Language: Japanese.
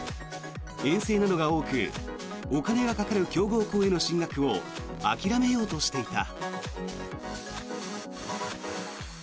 遠征などが多くお金がかかる強豪校への進学を諦めようとしていた。